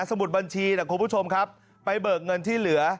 มุดบัญชีนะคุณผู้ชมครับไปเบิกเงินที่เหลือ